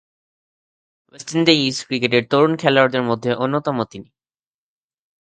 West Indies ক্রিকেটের তরুণ খেলোয়াড়দের অন্যতম তিনি।